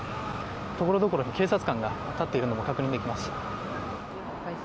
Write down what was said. ところどころに警察官が立っているのが確認できます。